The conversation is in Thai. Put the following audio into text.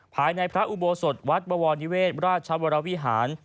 ภายในพระอุโบสถวัดบวรนิเวศราชวรวิหาร